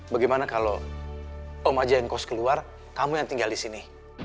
bagaimana kalau om aja yang kos keluar kamu yang tinggal disini